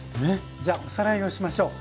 じゃあおさらいをしましょう。